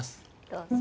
どうぞ。